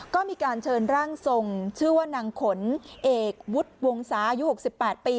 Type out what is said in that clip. ก็มีการเชิญร่างทรงชื่อว่านางขนเอกวุฒิวงศาอายุ๖๘ปี